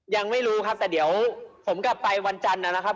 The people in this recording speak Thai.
ยังไม่รู้ครับแต่เดี๋ยวผมกลับไปวันจันทร์นะครับ